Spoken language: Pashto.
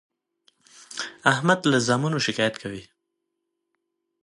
احمد له زامنو شکایت کوي.